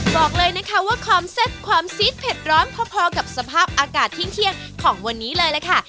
บอกเลยนะคะว่าความแซ่บความซีดเผ็ดร้อนพอกับสภาพอากาศเที่ยงของวันนี้เลยล่ะค่ะ